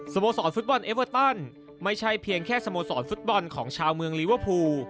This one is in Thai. โมสรฟุตบอลเอเวอร์ตันไม่ใช่เพียงแค่สโมสรฟุตบอลของชาวเมืองลิเวอร์พูล